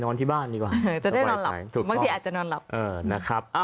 นะครับ